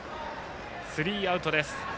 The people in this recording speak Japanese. スリーアウトです。